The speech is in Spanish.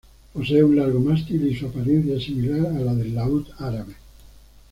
Posee un largo mástil y su apariencia es similar a la del laud árabe.